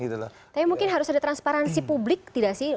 tapi mungkin harus ada transparansi publik tidak sih